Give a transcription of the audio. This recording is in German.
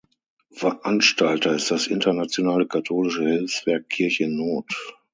Veranstalter ist das internationale katholische Hilfswerk Kirche in Not.